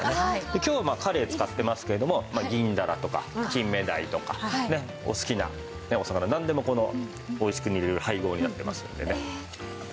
今日はまあカレイ使ってますけどもギンダラとかキンメダイとかねっお好きなお魚なんでもおいしく煮れる配合になってますんでね。